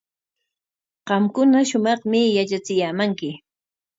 Qamkuna shumaqmi yatrachiyaamanki.